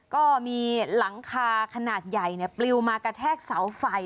ก็มีหลังคาขนาดใหญ่ปลิวมากระแทกเสาไฟ